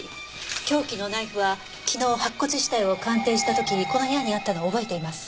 凶器のナイフは昨日白骨死体を鑑定した時にこの部屋にあったのを覚えています。